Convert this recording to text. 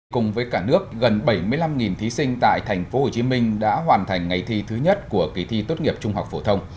cùng với cả nước gần bảy mươi năm thí sinh tại tp hcm đã hoàn thành ngày thi thứ nhất của kỳ thi tốt nghiệp trung học phổ thông